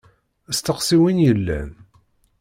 Steqsi win yellan!